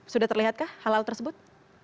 sudah terlihatkah hal hal tersebut